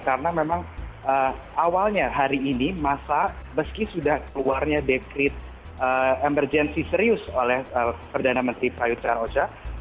karena memang awalnya hari ini masa meski sudah keluarnya dekret emergensi serius oleh perdana menteri prayutra roja